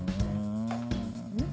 うん。